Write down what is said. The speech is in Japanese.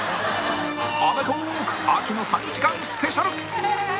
『アメトーーク』秋の３時間スペシャル！